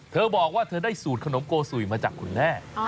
เธอบอกว่าเธอได้สูตรขนมโกสุยมาจากคุณแม่